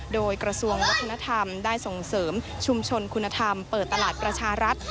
โดยกระทรวงวัฒนธรรมได้ส่งเสริมชุมชนคุณธรรมเปิดตลาดประชารัฐ